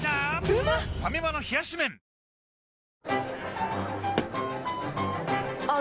ファミマの冷し麺あー